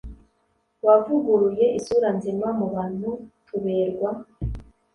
wavuguruye isura nzima mu bantu tuberwa